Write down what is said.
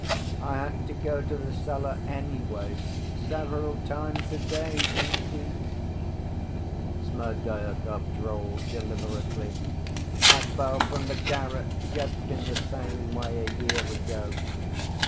"I had to go to the cellar anyway, several times a day, indeed," Smerdyakov drawled deliberately. "I fell from the garret just in the same way a year ago.